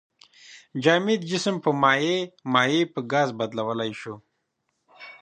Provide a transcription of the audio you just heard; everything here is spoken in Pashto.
جامد جسم په مایع، مایع په ګاز بدلولی شو.